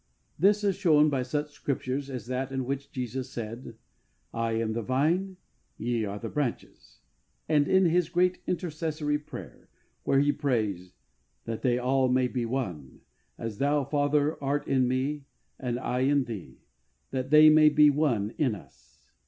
This is shown by such Scriptures as that in which Jesus said, am the Vine, ye are the branches,*' and in His great' intercessory prayer, where He prays, "that they all may be one, as Thou, Father, art in Me and I in Thee, that they may be one in Us."